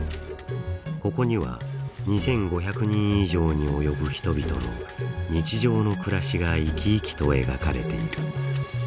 ここには２５００人以上に及ぶ人々の日常の暮らしが生き生きと描かれている。